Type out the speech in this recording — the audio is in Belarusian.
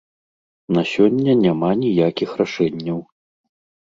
На сёння няма ніякіх рашэнняў.